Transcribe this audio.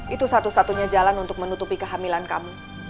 itu satu satunya jalan untuk menutupi kehamilan kamu